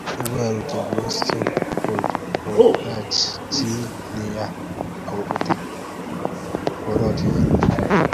Iboru chepyoso kou chi neya akobutei pororiet